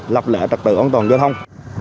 lập lệ trật tự an toàn giao thông